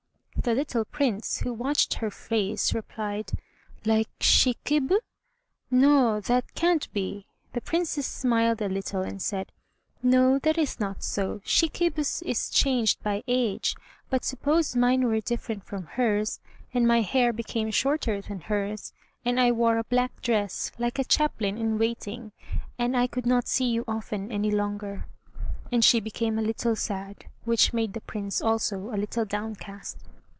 The little Prince, who watched her face, replied, "Like Shikib? no that can't be." The Princess smiled a little, and said, "No, that is not so; Shikib's is changed by age, but suppose mine were different from hers, and my hair became shorter than hers, and I wore a black dress like a chaplain in waiting, and I could not see you often, any longer." And she became a little sad, which made the Prince also a little downcast.